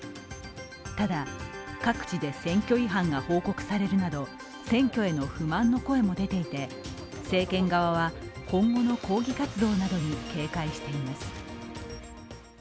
ただ、各地で選挙違反が報告されるなど選挙への不満の声も出ていて政権側は今後の抗議活動に警戒しています。